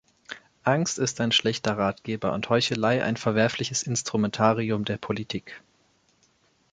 Angst ist ein schlechter Ratgeber und Heuchelei ein verwerfliches Instrumentarium der Politik.